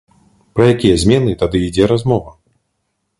Пра якія змены тады ідзе размова?